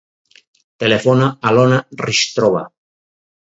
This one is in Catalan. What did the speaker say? Telefona a l'Ona Hristova.